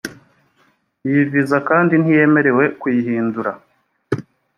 iyi viza kandi ntiyemerewe kuyihindura